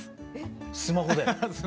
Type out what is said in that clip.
スマホで。